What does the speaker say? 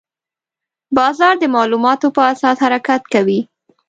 بازار د معلوماتو په اساس حرکت کوي.